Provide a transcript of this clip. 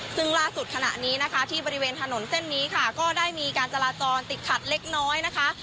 ซึ่งล่าสุดขณะนี้นะคะที่บริเวณถนนเส้นนี้ค่ะก็ได้มีการจราจรติดขัดเล็กน้อยนะคะ